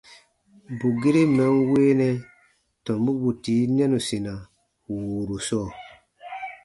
Bù gere mɛ̀ n weenɛ tɔmbu bù tii nɛnusina wùuru sɔɔ.